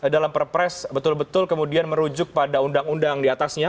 dalam perpres betul betul kemudian merujuk pada undang undang diatasnya